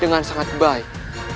dengan sangat baik